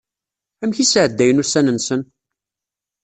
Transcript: Amek i sɛeddayen ussan-nsen?